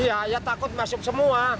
iya ya takut masuk semua